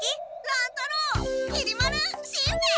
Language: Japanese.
乱太郎きり丸しんべヱ！